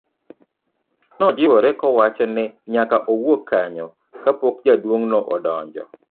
nojiwore kowacho ni nyaka owuog kanyo ka pok jaduong' no odonjo